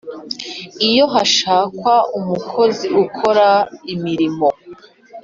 iyo hashakwa umukozi ukora imirimo